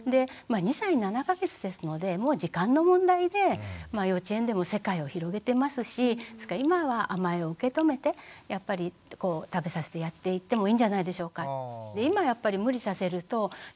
２歳７か月ですのでもう時間の問題で幼稚園でも世界を広げてますし今は甘えを受け止めてやっぱり食べさせてやっていってもいいんじゃないでしょうか。